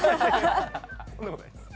そんなことないです。